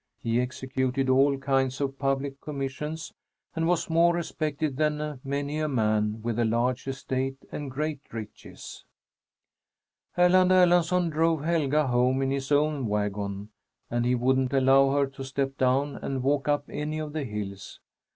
He executed all kinds of public commissions and was more respected than many a man with a large estate and great riches. Erland Erlandsson drove Helga home in his own wagon, and he wouldn't allow her to step down and walk up any of the hills.